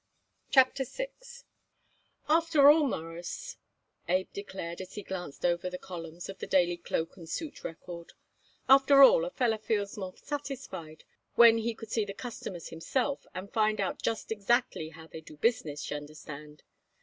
CHAPTER VI "After all, Mawruss," Abe declared as he glanced over the columns of the Daily Cloak and Suit Record, "after all a feller feels more satisfied when he could see the customers himself and find out just exactly how they do business, y'understand.